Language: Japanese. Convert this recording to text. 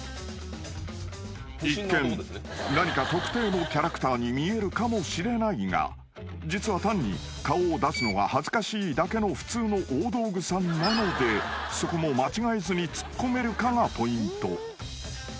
［一見何か特定のキャラクターに見えるかもしれないが実は単に顔を出すのが恥ずかしいだけの普通の大道具さんなのでそこも間違えずにツッコめるかがポイント］